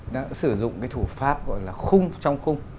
đã sử dụng cái thủ pháp gọi là khung trong khung